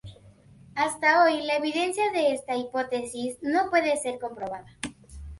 Hasta hoy, la evidencia de esta hipótesis no puede ser comprobada.